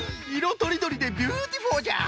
とりどりでビューティフォーじゃ！